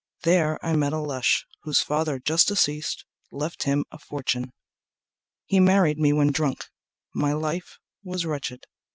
There I met a lush, Whose father just deceased left him a fortune. He married me when drunk. My life was wretched.